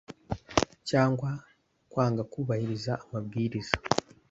Cyangwa kwanga kubahiriza amabwiriza